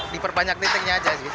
diperbanyak titiknya aja sih